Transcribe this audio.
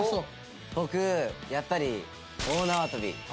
僕やっぱり大縄跳び。